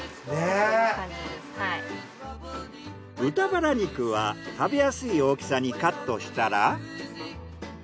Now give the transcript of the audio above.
豚バラ肉は食べやすい大きさにカットしたら。